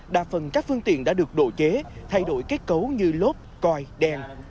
đa phần các phương tiện đã được độ chế thay đổi kết cấu như lốp coi đèn